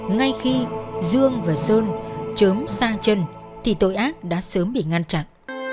ngay khi dương và sơn chớm sang chân thì tội ác đã sớm bị ngăn chặn